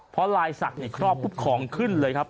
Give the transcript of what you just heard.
เพราะลายศักดิ์ครอบปุ๊บของขึ้นเลยครับ